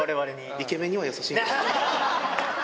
イケメンには優しいんです。